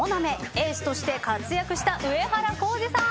エースとして活躍した上原浩治さん。